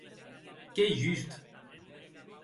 Qu’ei just.